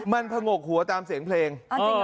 มันผงกหัวตามเสียงเพลง